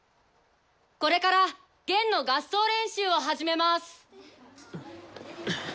これから弦の合奏練習を始めます。